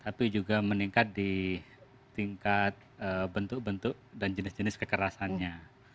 tapi juga meningkat di tingkat bentuk bentuk dan jenis jenis kekerasannya